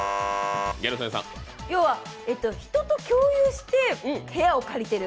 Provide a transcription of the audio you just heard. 要は人と共有して部屋を借りてる。